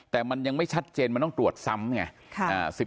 แต่มันยังไม่ชัดเจนมันต้องตรวจซ้ำไง